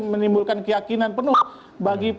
menimbulkan keyakinan penuh bagi